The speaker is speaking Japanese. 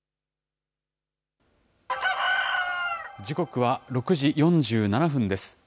時刻は６時４７分です。